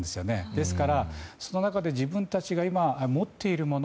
ですから、その中で自分たちが今持っているもの